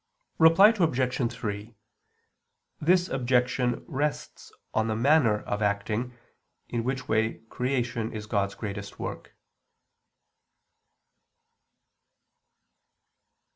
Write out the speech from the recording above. Reply Obj. 3: This objection rests on the manner of acting, in which way creation is God's greatest work.